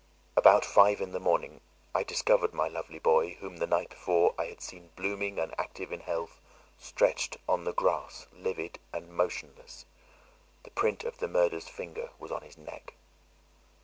About five in the morning I discovered my lovely boy, whom the night before I had seen blooming and active in health, stretched on the grass livid and motionless; the print of the murder's finger was on his neck.